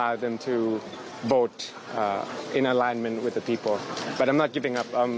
คุณพิธาวันนี้เราจะศึกษาอุปสรรคที่มันต่อขึ้นไหม